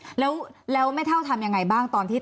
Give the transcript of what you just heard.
ยายก็ยังแอบไปขายขนมแล้วก็ไปถามเพื่อนบ้านว่าเห็นไหมอะไรยังไง